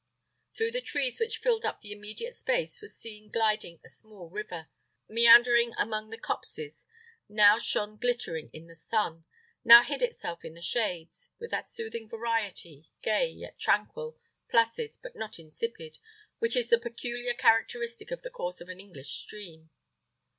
Through the trees which filled up the intermediate space was seen gliding a small river, that, meandering amongst the copses, now shone glittering in the sun, now hid itself in the shades, with that soothing variety, gay yet tranquil, placid but not insipid, which is the peculiar characteristic of the course of an English stream.